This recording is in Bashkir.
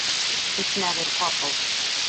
Исмәғил ҡапыл: